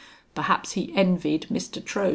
Perhaps he envied Mr. Trohm.